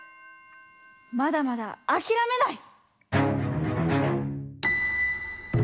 まだまだあきらめない！